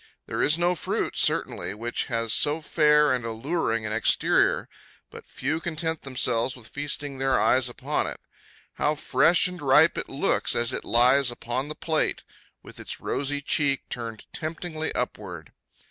There is no fruit, certainly, which has so fair and alluring an exterior; but few content themselves with feasting their eyes upon it. How fresh and ripe it looks as it lies upon the plate, with its rosy cheek turned temptingly upward!